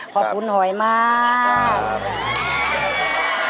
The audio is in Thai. ขอบคุณหอยมาก